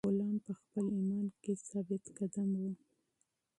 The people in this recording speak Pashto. غلام په خپل ایمان کې ثابت قدم و.